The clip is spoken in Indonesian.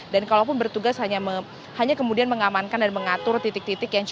dan kalaupun bertugas hanya kemudian mengamankan dan mengatur titik titik